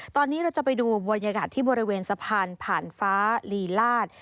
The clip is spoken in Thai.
ตอนนี้เราจะไปดูบรรยากาศที่บริเวณสะพานผ่านฟ้าลีลาศ